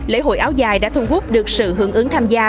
lễ hội áo dài đã thu hút được sự hưởng ứng tham gia